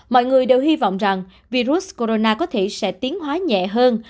mọi người đều hy vọng rằng virus corona có thể sẽ tiến hóa nhẹ hơn